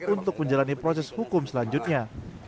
untuk menjalani proses hukum selanjutnya